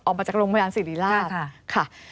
ออกมาจากโรงพยานศิริราช